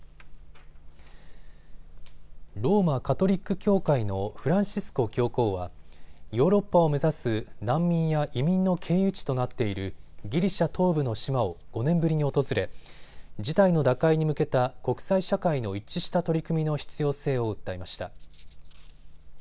ローマ・カトリック教会のフランシスコ教皇はヨーロッパを目指す難民や移民の経由地となっているギリシャ東部の島を５年ぶりに訪れ事態の打開に向けた国際社会の一致した取り組みの必要性を訴えました。